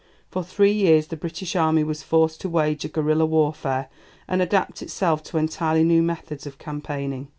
For three years the British army was forced to wage a guerilla warfare, and adapt itself to entirely new methods of campaigning.